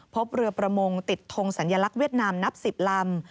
พบเรือประมงติดทงสัญลักษณ์เวียดนามนับ๑๐ลำ